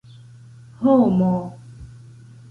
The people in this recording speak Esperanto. homo